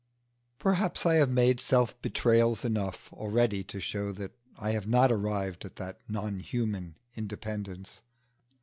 Perhaps I have made self betrayals enough already to show that I have not arrived at that non human independence.